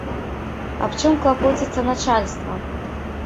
Аб чым клапоціцца начальства?